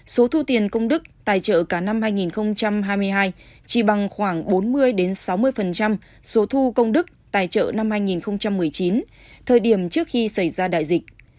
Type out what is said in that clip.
số thu tiền công đức tài trợ cả năm hai nghìn hai mươi hai chỉ bằng khoảng bốn mươi sáu mươi số thu công đức tài trợ năm hai nghìn một mươi chín thời điểm trước khi xảy ra đại dịch